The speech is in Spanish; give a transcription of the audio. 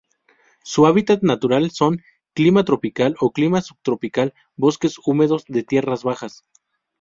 Su hábitat natural son: clima tropical o Clima subtropical, bosques húmedos de tierras bajas.